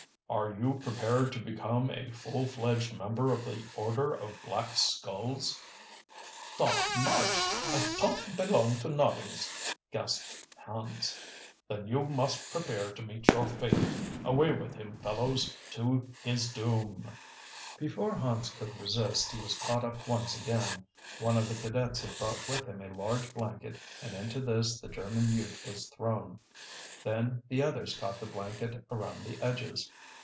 "Are you prepared to become a full fledged member of the Order of Black Skulls." "Not much, I ton't belong to noddings," gasped Hans. "Then you must prepare to meet your fate. Away with him, fellows, to his doom!" Before Hans could resist he was caught up once again. One of the cadets had brought with him a large blanket and into this the German youth was thrown. Then the others caught the blanket around the edges.